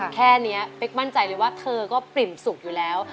แค่นี้เป๊กมั่นใจเลยว่าเธอก็ปริ่มสุขอยู่แล้ว